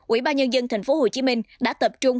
ủy ba nhân dân thành phố hồ chí minh đã tập trung